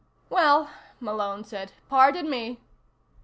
"Well," Malone said, "pardon me."